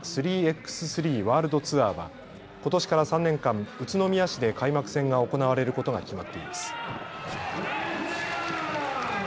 ＦＩＢＡ３ｘ３ワールドツアーは、ことしから３年間宇都宮市で開幕戦が行われることが決まっています。